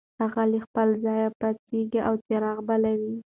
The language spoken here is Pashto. هغه له خپل ځایه پاڅېږي او څراغ بلوي.